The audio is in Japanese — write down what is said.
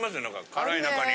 辛い中に。